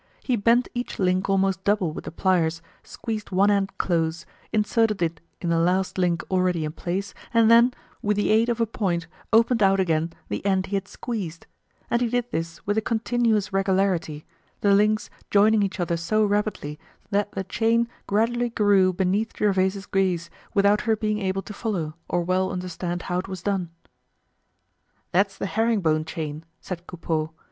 He bent each link almost double with the pliers, squeezed one end close, inserted it in the last link already in place and then, with the aid of a point opened out again the end he had squeezed; and he did this with a continuous regularity, the links joining each other so rapidly that the chain gradually grew beneath Gervaise's gaze, without her being able to follow, or well understand how it was done. "That's the herring bone chain," said Coupeau.